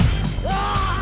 aku mau lihat